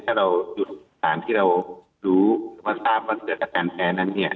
ถ้าเราหยุดสารที่เรารู้ว่าทราบว่าเกิดอาการแพ้นั้นเนี่ย